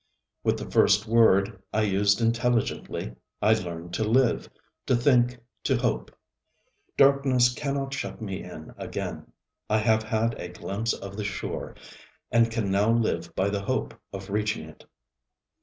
With the first word I used intelligently, I learned to live, to think, to hope. Darkness cannot shut me in again. I have had a glimpse of the shore, and can now live by the hope of reaching it.